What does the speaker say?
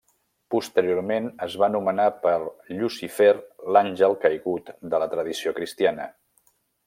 Posteriorment es va nomenar per Llucifer, l'àngel caigut de la tradició cristiana.